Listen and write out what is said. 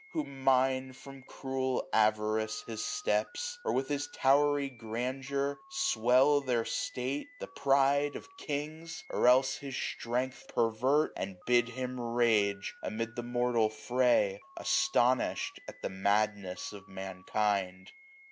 Who mine, from cruel avarice, his steps ; Or with his towery grandeur swell their state. The pride of kings ! or else his strength pervert ; 73a And bid him rage amid the mortal fray, Astonish'd at the madness of mankind.